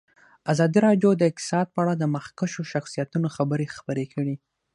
ازادي راډیو د اقتصاد په اړه د مخکښو شخصیتونو خبرې خپرې کړي.